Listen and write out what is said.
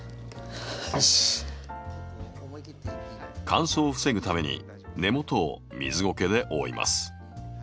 乾燥を防ぐために根元を水ゴケで覆います。